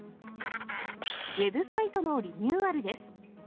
ウェブサイトのリニューアルです。